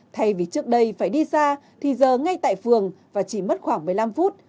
thay vì trước đây phải đi xa thì giờ ngay tại phường và chỉ mất khoảng một mươi năm phút